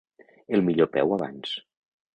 El millor peu abans.